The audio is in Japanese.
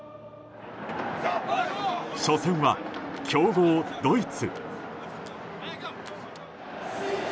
初戦は強豪ドイツ。